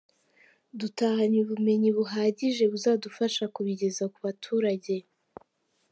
Dutahanye ubumenyi buhagije buzadufasha kubigeza ku baturage.